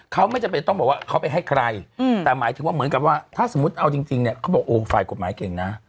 เขาไม่จำเป็นต้องบอกว่าเขาไปให้ใครแต่หมายถึงว่าเหมือนกับว่าถ้าสมมุติเอาจริงเนี่ยเขาบอกโอ้ฝ่ายกฎหมายเก่งนะ